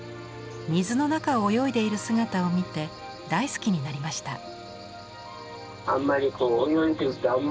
水の中を泳いでいる姿を見て大好きになりました。